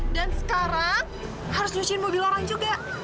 dan sekarang harus nyuciin mobil orang juga